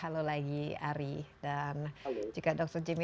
halo lagi ari dan juga dr jimm